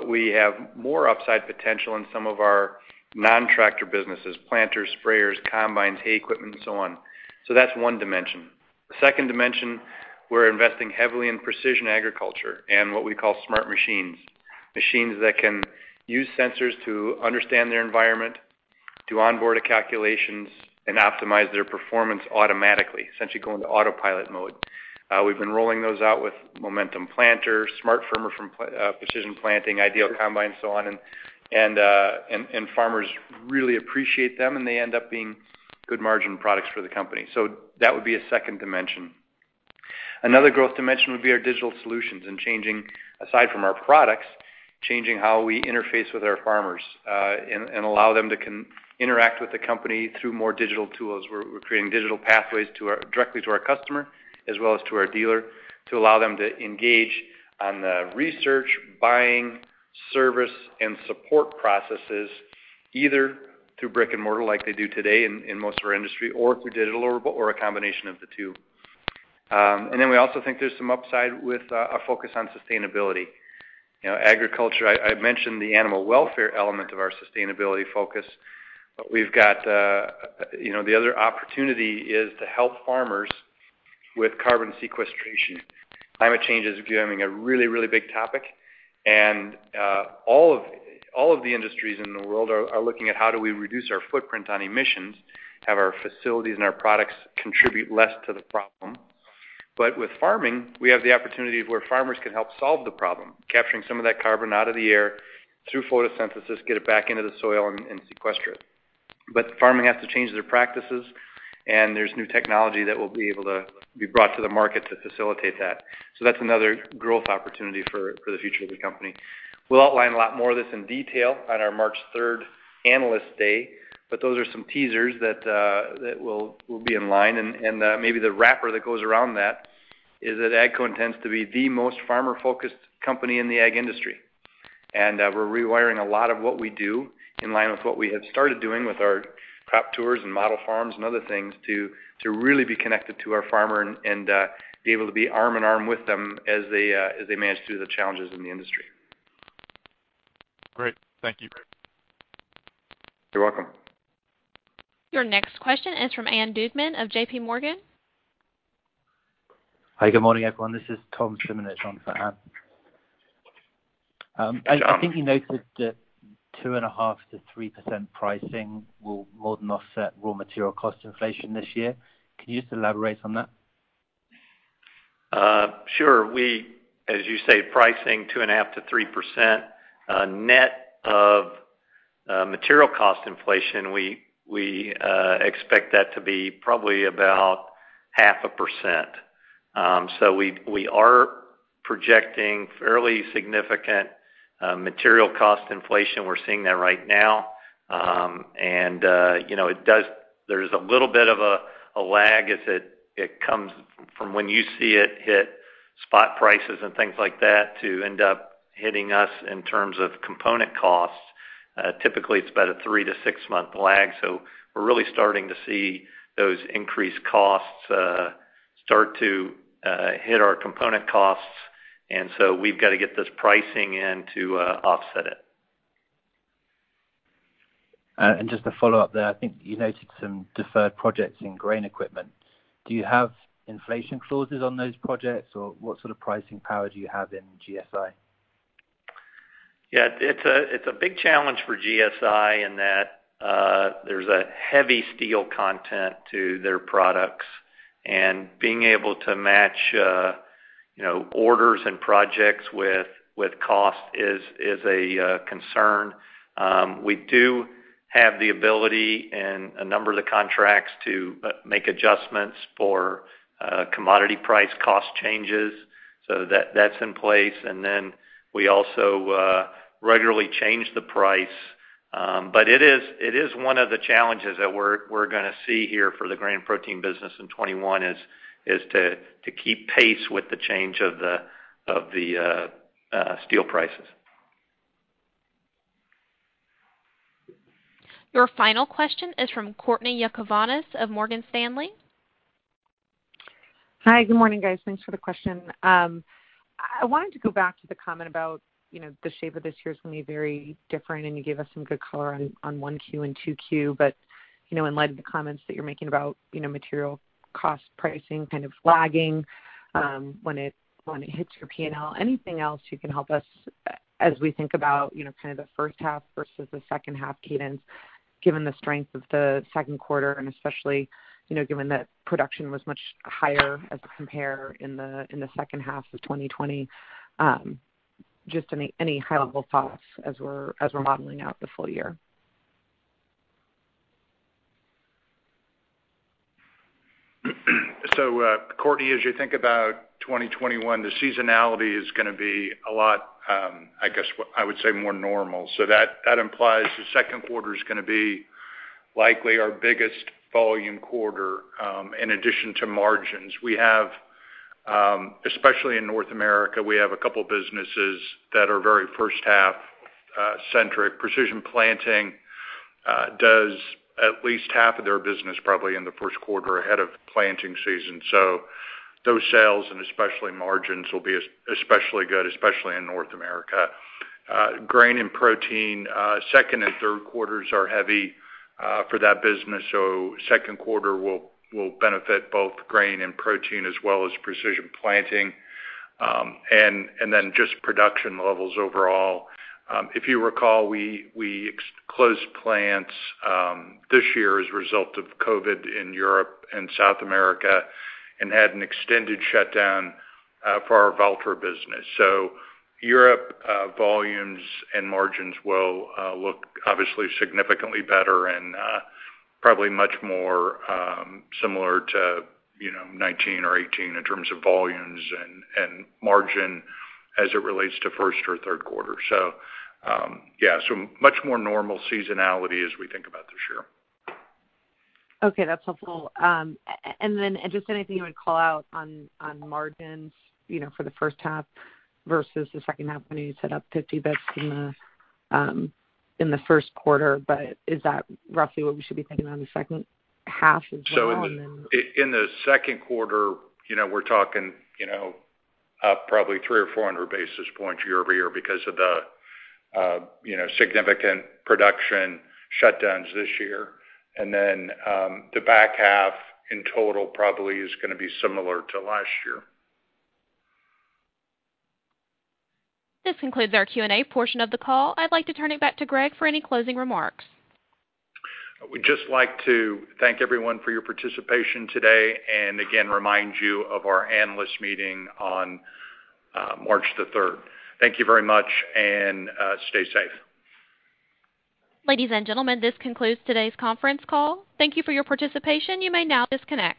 We have more upside potential in some of our non-tractor businesses, planters, sprayers, combines, hay equipment, and so on. That's one dimension. The second dimension, we're investing heavily in precision agriculture and what we call smart machines. Machines that can use sensors to understand their environment, do onboard calculations, and optimize their performance automatically, essentially go into autopilot mode. We've been rolling those out with Momentum planters, SmartFirmer from Precision Planting, IDEAL combines, and so on. Farmers really appreciate them, and they end up being good margin products for the company. That would be a second dimension. Another growth dimension would be our digital solutions and changing, aside from our products, changing how we interface with our farmers and allow them to interact with the company through more digital tools. We're creating digital pathways directly to our customer as well as to our dealer to allow them to engage on the research, buying, service, and support processes, either through brick and mortar like they do today in most of our industry, or through digital, or a combination of the two. Then we also think there's some upside with a focus on sustainability. Agriculture, I mentioned the animal welfare element of our sustainability focus. The other opportunity is to help farmers with carbon sequestration. Climate change is becoming a really big topic. All of the industries in the world are looking at how do we reduce our footprint on emissions, have our facilities and our products contribute less to the problem. With farming, we have the opportunity where farmers can help solve the problem, capturing some of that carbon out of the air through photosynthesis, get it back into the soil and sequester it. Farming has to change their practices, and there's new technology that will be able to be brought to the market to facilitate that. That's another growth opportunity for the future of the company. We'll outline a lot more of this in detail on our March 3rd Analyst Day, but those are some teasers that will be in line. Maybe the wrapper that goes around that is that AGCO intends to be the most farmer-focused company in the ag industry. We're rewiring a lot of what we do in line with what we have started doing with our crop tours and model farms and other things to really be connected to our farmer and be able to be arm in arm with them as they manage through the challenges in the industry. Great. Thank you. You're welcome. Your next question is from Ann Duignan of JPMorgan. Hi, good morning, everyone. This is Tom Simonitsch on for Ann. Yeah. I think you noted that 2.5%-3% pricing will more than offset raw material cost inflation this year. Can you just elaborate on that? Sure. As you say, pricing 2.5%-3% net of material cost inflation, we expect that to be probably about half a percent. We are projecting fairly significant material cost inflation. We're seeing that right now. There's a little bit of a lag as it comes from when you see it hit spot prices and things like that to end up hitting us in terms of component costs. Typically, it's about a 3-6 month lag, we're really starting to see those increased costs start to hit our component costs. We've got to get this pricing in to offset it. Just to follow up there, I think you noted some deferred projects in grain equipment. Do you have inflation clauses on those projects, or what sort of pricing power do you have in GSI? Yeah. It's a big challenge for GSI in that there's a heavy steel content to their products, and being able to match orders and projects with cost is a concern. We do have the ability in a number of the contracts to make adjustments for commodity price cost changes. That's in place, and then we also regularly change the price. It is one of the challenges that we're going to see here for the grain protein business in 2021 is to keep pace with the change of the steel prices. Your final question is from Courtney Yakavonis of Morgan Stanley. Hi. Good morning, guys. Thanks for the question. I wanted to go back to the comment about the shape of this year is going to be very different, and you gave us some good color on 1Q and 2Q. In light of the comments that you're making about material cost pricing kind of lagging when it hits your P&L, anything else you can help us, as we think about kind of the first half versus the second half cadence, given the strength of the second quarter and especially, given that production was much higher as a compare in the second half of 2020. Just any high-level thoughts as we're modeling out the full year. Courtney, as you think about 2021, the seasonality is going to be a lot more normal. That implies the second quarter's going to be likely our biggest volume quarter in addition to margins. Especially in North America, we have a couple businesses that are very first-half centric. Precision Planting does at least half of their business probably in the first quarter ahead of planting season. Those sales, and especially margins, will be especially good, especially in North America. Grain and protein, second and third quarters are heavy for that business. 2nd quarter will benefit both grain and protein as well as Precision Planting. Just production levels overall. If you recall, we closed plants this year as a result of COVID in Europe and South America and had an extended shutdown for our Valtra business. Europe volumes and margins will look obviously significantly better and probably much more similar to 2019 or 2018 in terms of volumes and margin as it relates to first or third quarter. Much more normal seasonality as we think about this year. Okay, that's helpful. Just anything you would call out on margins for the first half versus the second half. I know you said up 50 basis in the first quarter, but is that roughly what we should be thinking on the second half as well? In the second quarter, we're talking up probably 300 or 400 basis points year-over-year because of the significant production shutdowns this year. The back half in total probably is going to be similar to last year. This concludes our Q&A portion of the call. I'd like to turn it back to Greg for any closing remarks. I would just like to thank everyone for your participation today, and again, remind you of our analyst meeting on March the 3rd. Thank you very much, and stay safe. Ladies and gentlemen, this concludes today's conference call. Thank you for your participation. You may now disconnect.